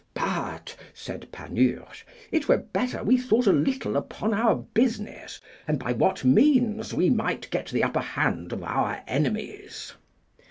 But, said Panurge, it were better we thought a little upon our business, and by what means we might get the upper hand of our enemies.